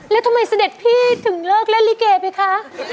แล้วทำไมเสด็จพี่ถึงเลิกเล่นลิเกไปคะ